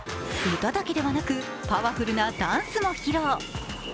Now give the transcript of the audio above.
歌だけでなく、パワフルなダンスも披露。